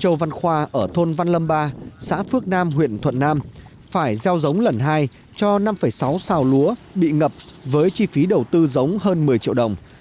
châu văn khoa ở thôn văn lâm ba xã phước nam huyện thuận nam phải gieo giống lần hai cho năm sáu xào lúa bị ngập với chi phí đầu tư giống hơn một mươi triệu đồng